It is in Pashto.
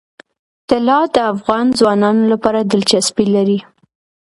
طلا د افغان ځوانانو لپاره دلچسپي لري.